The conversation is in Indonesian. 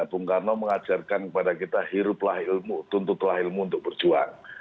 bung karno mengajarkan kepada kita hiruplah ilmu tuntutlah ilmu untuk berjuang